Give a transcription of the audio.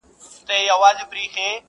پاچاهان نه د چا وروڼه نه خپلوان دي٫